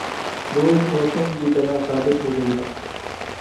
‘ روز روشن کی طرح ثابت ہو گئی ہے۔